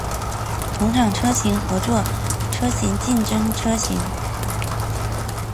同厂车型合作车型竞争车型